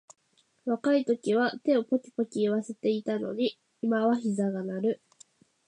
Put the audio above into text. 若いときは手をポキポキいわせていたのに、今はひざが鳴る